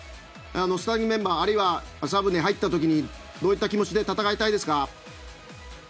スターティングメンバーあるいはサブに入った時にどういった気持ちで戦いたいですか。